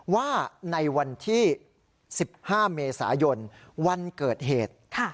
ว่าในวันที่๑๕เมษายนวันเกิดเหตุ